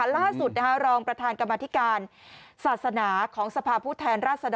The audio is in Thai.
รองประธานกรรมธิการศาสนาของสภาพผู้แทนราชดร